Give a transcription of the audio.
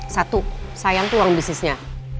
satu sayang tuh uang bisnisnya